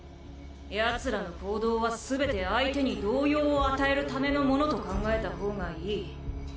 ヤツらの行動はすべて相手に動揺を与えるためのものと考えたほうがいい。